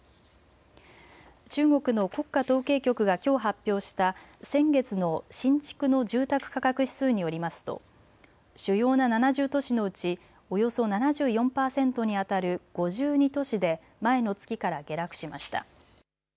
中国の国家統計局がきょう発表した先月の新築の住宅価格指数によりますと主要な７０都市のうちおよそ７４％にあたる５２都市で前の月から下落しました。